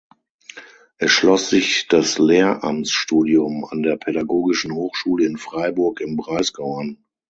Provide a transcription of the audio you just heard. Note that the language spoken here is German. Es schloss sich das Lehramtsstudium an der Pädagogischen Hochschule in Freiburg im Breisgau an.